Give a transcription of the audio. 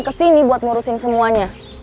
kesini buat ngurusin semuanya